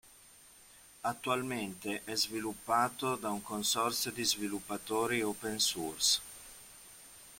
Attualmente è sviluppato da un consorzio di sviluppatori opensource.